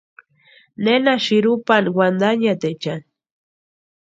¿Néna sïrupani wantanhiataechani?